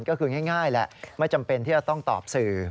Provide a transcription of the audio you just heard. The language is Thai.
ก็คือง่ายแหละไม่จำเป็นที่จะต้องตอบสื่อ